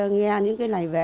nghe những cái này về